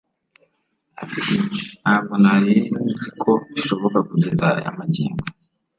Ati “ Ntabwo nari nzi ko bishoboka kugeza aya magingo